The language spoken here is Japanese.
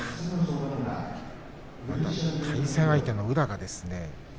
対戦相手の宇良がですね。